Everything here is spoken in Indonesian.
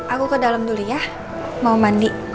aku ke dalem dulu ya mau mandi